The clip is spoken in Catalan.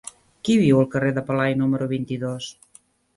Qui viu al carrer de Pelai número vint-i-dos?